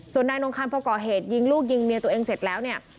ส่วนนายนงคันพอก่อเหตุยิงลูกยิงเมียตัวเองเสร็จแล้วเนี่ย